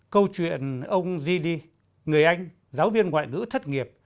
câu chuyện ông zili người anh giáo viên ngoại ngữ thất nghiệp